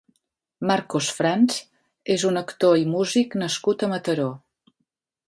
Marcos Franz és un actor i músic nascut a Mataró.